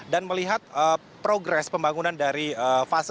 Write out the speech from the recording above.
dan melihat progres pembangunan dari fase